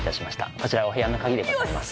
こちらお部屋の鍵でございます。